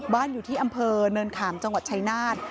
อยู่ที่อำเภอเนินขามจังหวัดชายนาฏ